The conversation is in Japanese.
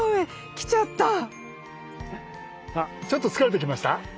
ちょっと疲れてきました？